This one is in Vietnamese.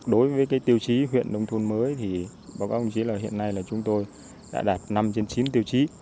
đối với tiêu chí huyện nông thôn mới báo cáo công chí là hiện nay chúng tôi đã đạt năm trên chín tiêu chí